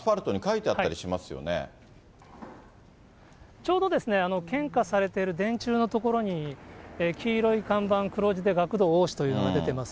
ちょうどですね、献花されてる電柱の所に、黄色い看板、黒字で学童多しというのが出てます。